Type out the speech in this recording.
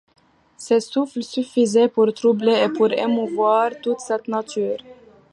Ces souffles suffisaient pour troubler et pour émouvoir toute cette nature.